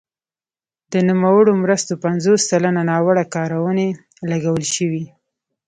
د نوموړو مرستو پنځوس سلنه ناوړه کارونې لګول شوي.